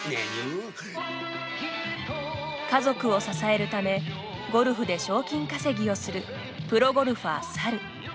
家族を支えるためゴルフで賞金稼ぎをする「プロゴルファー猿」。